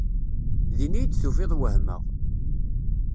Din iyi-d-tufiḍ wehmeɣ.